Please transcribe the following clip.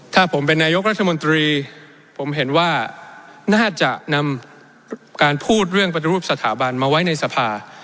ถ้าผมเป็นนายกรัฐมนตรีผมเห็นว่าน่าจะนำการพูดเรื่องปฏิรูปสถาบันมาไว้ในสภา